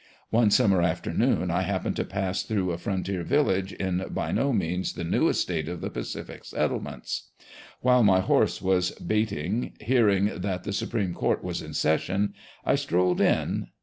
One summer afternoon I happened to pass through a frontier village in by no means the newest State of the Pacific settlements. While my horse was baiting, hearing that the supreme court was in session, I strolled in.